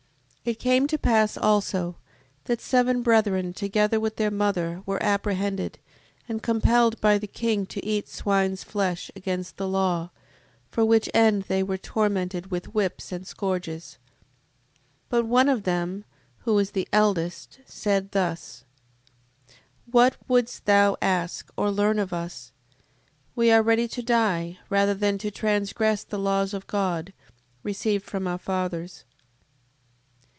7:1. It came to pass also, that seven brethren, together with their mother, were apprehended, and compelled by the king to eat swine's flesh against the law, for which end they were tormented with whips and scourges. 7:2. But one of them, who was the eldest, said thus: What wouldst thou ask, or learn of us? we are ready to die, rather than to transgress the laws of God, received from our fathers.